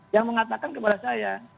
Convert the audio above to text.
yang mengatakan kepada saya